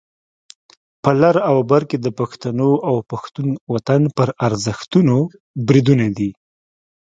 په لر او بر کې د پښتنو او پښتون وطن پر ارزښتونو بریدونه دي.